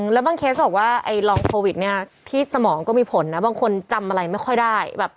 แล้วบางเคสบอกว่าไอ้รองโควิดเนี่ยที่สมองก็มีผลนะบางคนจำอะไรไม่ค่อยได้